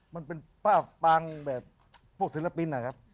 มันเป็นภาพปางแบบพวกศิลปินนะครับ